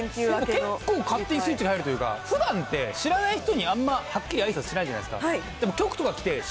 結構勝手にスイッチが入るというか、ふだんって、知らない人にあんま、はっきりあいさつしないじゃないですか。